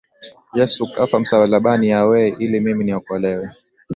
Yesu kafa msalaba yahwe ili mimi niokolewe